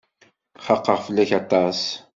Xaqeɣ fell-ak aṭas.